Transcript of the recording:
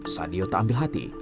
sadiyu tak ambil hati